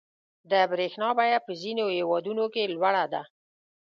• د برېښنا بیه په ځینو هېوادونو کې لوړه ده.